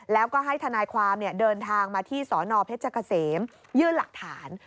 แล้วก็ให้ทนายความเดินทางมาที่สนเพชรเกษมยื่นหลักฐาน